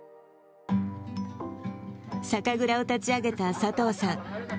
酒蔵を立ち上げた佐藤さん。